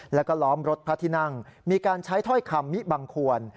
แล้วก็ล้อมรถพระที่นั่งมีการใช้ถ้อยคำมิบังควร